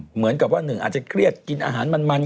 เหมือนกับว่าหนึ่งอาจจะเครียดกินอาหารมัน